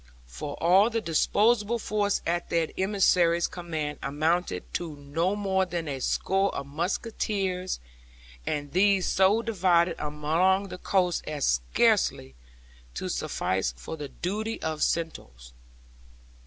For all the disposable force at their emissary's command amounted to no more than a score of musketeers, and these so divided along the coast as scarcely to suffice for the duty of sentinels.